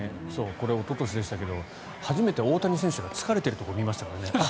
これ、おととしでしたけど初めて大谷選手が疲れているところを見ましたからね。